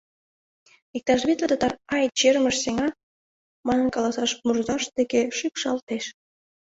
Иктаж витле татар «Ай, чермыш сеҥа!» манын каласаш мурзашт деке шикшалтеш.